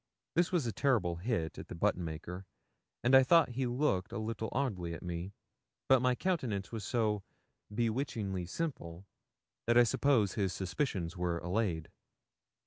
This was a terrible hit at the button maker, and I thought he looked a little oddly at me, but my countenance was so 'bewitchingly simple' that I suppose his suspicions were allayed.